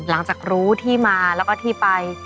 หลังจากรู้ที่มาแล้วก็ที่ไป